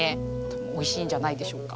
おいしいんじゃないでしょうか。